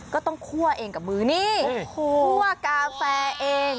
คั่วเองกับมือนี่คั่วกาแฟเอง